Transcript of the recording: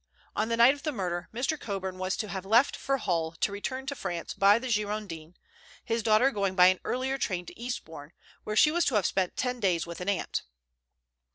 On the night of the murder, Mr. Coburn was to have left for Hull to return to France by the Girondin, his daughter going by an earlier train to Eastbourne, where she was to have spent ten days with an aunt.